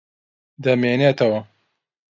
دەمێنێتەوە.